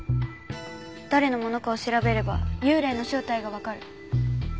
誰のものかを調べれば幽霊の正体がわかる。